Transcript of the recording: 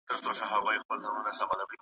په داسي وخت کي چوپ پاتې کېدل هم ځان ساتنه ده.